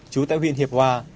chú tại huyện hiệp hòa